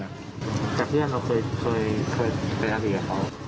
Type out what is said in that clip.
แต่เพื่อนเคยไปอาวุธกับเขา